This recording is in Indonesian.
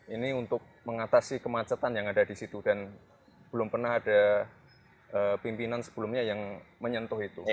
ini untuk mengatasi kemacetan yang ada di situ dan belum pernah ada pimpinan sebelumnya yang menyentuh itu